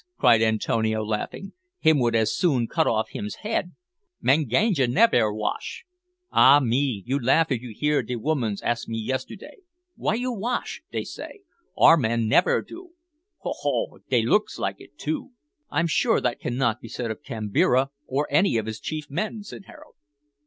cried Antonio, laughing, "him would as soon cut off him's head. Manganja nevair wash. Ah me! You laugh if you hear de womans ask me yesterday `Why you wash?' dey say, `our men nevair do.' Ho! ho! dey looks like it too." "I'm sure that cannot be said of Kambira or any of his chief men," said Harold.